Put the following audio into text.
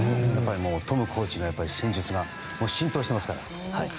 トムコーチの戦術が浸透していますから。